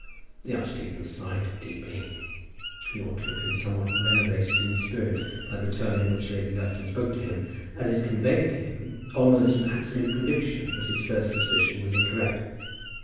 The archdeacon sighed deeply. He ought to have been somewhat renovated in spirit by the tone in which Lady Lufton spoke to him, as it conveyed to him almost an absolute conviction that his first suspicion was incorrect.